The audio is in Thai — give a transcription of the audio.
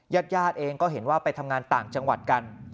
ญาติญาติเองก็เห็นว่าไปทำงานต่างจังหวัดกัน